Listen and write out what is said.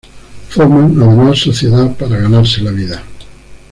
Forman, además, sociedad, para ganarse la vida.